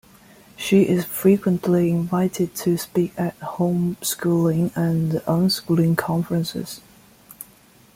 She is frequently invited to speak at homeschooling and unschooling conferences.